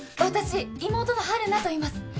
私妹の晴汝といいます。